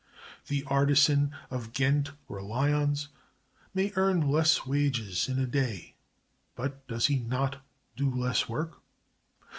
The artisan of Ghent or Lyons may earn less wages in a day, but does he not do less work?